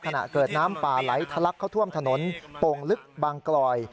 ขณะเกิดน้ำป่าไหลทะลักเข้าท่วมถนนโป่งลึกบางกลอย